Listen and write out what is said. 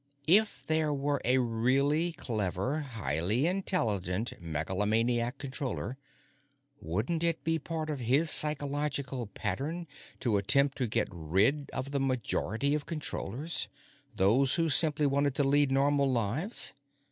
If there were a really clever, highly intelligent, megalomaniac Controller, wouldn't it be part of his psychological pattern to attempt to get rid of the majority of Controllers, those who simply wanted to lead normal lives?